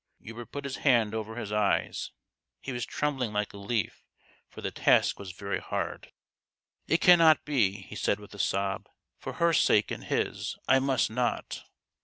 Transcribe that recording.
Hubert put his hand over his eyes. He was trembling like a leaf, for the task was very hard. " It cannot be !" he said with a sob. " For her sake and his, I must not